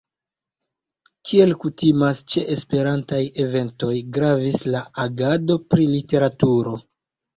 Kiel kutimas ĉe esperantaj eventoj gravis la agado pri literaturo.